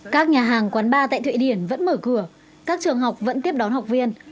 các nhà hàng quán bar tại thụy điển vẫn mở cửa các trường học vẫn tiếp đón học viên